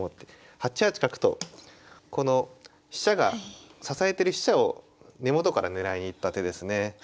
８八角とこの飛車が支えてる飛車を根元から狙いに行った手ですね。